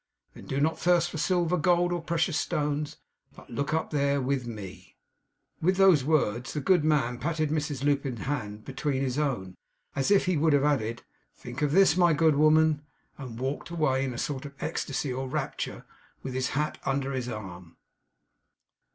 Then do not thirst for silver, gold, or precious stones; but look up there, with me!' With those words, the good man patted Mrs Lupin's hand between his own, as if he would have added 'think of this, my good woman!' and walked away in a sort of ecstasy or rapture, with his hat under his arm.